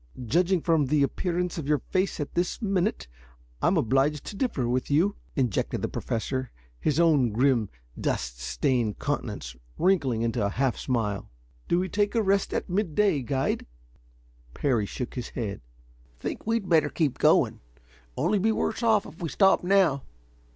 "Judging from the appearance of your face at this minute, I'm obliged to differ with you," interjected the Professor, his own grim, dust stained countenance wrinkling into a half smile. "Do we take a rest at midday, guide?" Parry shook his head. "Think we'd better keep going. Only be worse off if we stop now.